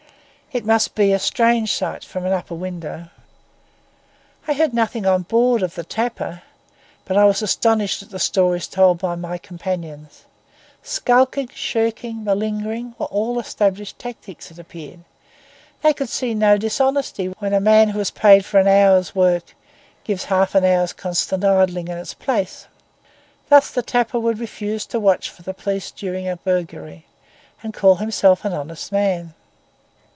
It must be a strange sight from an upper window. I heard nothing on board of the tapper; but I was astonished at the stories told by my companions. Skulking, shirking, malingering, were all established tactics, it appeared. They could see no dishonesty where a man who is paid for an hour's work gives half an hour's consistent idling in its place. Thus the tapper would refuse to watch for the police during a burglary, and call himself a honest man.